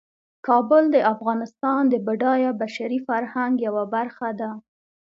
کابل د افغانستان د بډایه بشري فرهنګ یوه برخه ده.